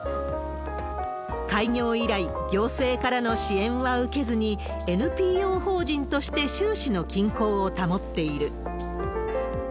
開業以来、行政からの支援は受けずに、ＮＰＯ法人として収支の均衡を保っている。